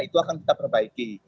itu akan kita perbaiki